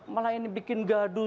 malah ini bikin gaduh